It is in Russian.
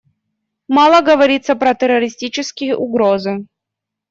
Мало говорится про террористические угрозы.